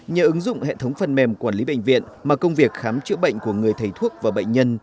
nhờ ứng dụng hệ thống phần mềm quản lý bệnh viện mà công việc khám chữa bệnh của người thầy thuốc và bệnh nhân